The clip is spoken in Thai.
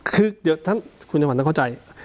คือเดี๋ยวทั้งข้อใจ